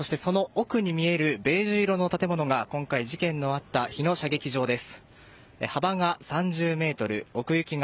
そしてその奥に見えるベージュ色の建物が今回事件のあった日野射撃場です。